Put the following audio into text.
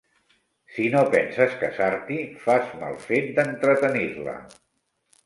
Si no penses casar-t'hi, fas mal fet d'entretenir-la.